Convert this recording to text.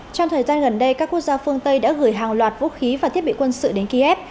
trong thời gian gần đây các quốc gia phương tây đã gửi hàng loạt vũ khí và thiết bị quân sự đến kiev